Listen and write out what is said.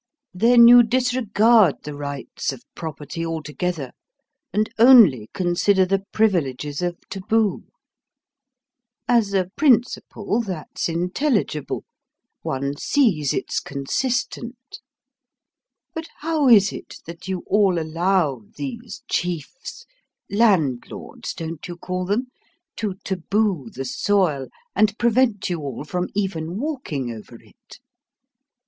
"Then you disregard the rights of property altogether, and only consider the privileges of taboo. As a principle, that's intelligible. One sees it's consistent. But how is it that you all allow these chiefs landlords, don't you call them? to taboo the soil and prevent you all from even walking over it?